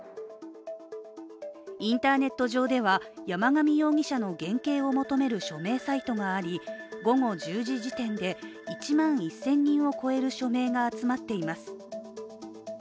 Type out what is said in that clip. インターネット上では、山上容疑者の減刑を求める署名サイトがあり、午後１０時時点で１万１０００人を超える署名が集まっています。